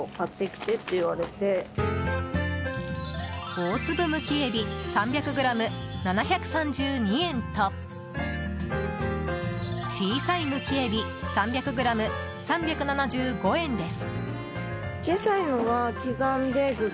大粒むきえび３００ｇ７３２円と小さいむきえび３００ｇ３７５円です。